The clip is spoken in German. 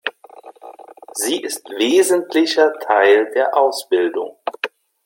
Sie ist wesentlicher Teil der Ausbildung.